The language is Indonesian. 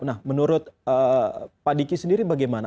nah menurut pak diki sendiri bagaimana